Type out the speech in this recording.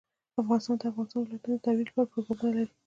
افغانستان د د افغانستان ولايتونه د ترویج لپاره پروګرامونه لري.